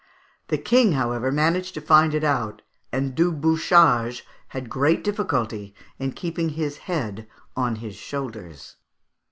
The King, however, managed to find it out, and Du Bouchage had great difficulty in keeping his head on his shoulders.